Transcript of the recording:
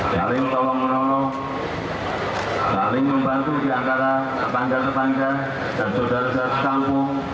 paling tolong tolong paling membantu di antara bangsa bangsa dan saudara saudara sekampung